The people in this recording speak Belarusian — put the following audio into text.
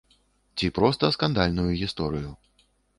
Ці проста скандальную гісторыю.